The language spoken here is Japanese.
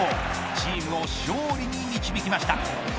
チームを勝利に導きました。